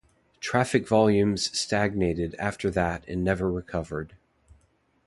Traffic volumes stagnated after that and never recovered.